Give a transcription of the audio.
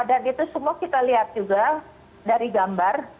dan itu semua kita lihat juga dari gambar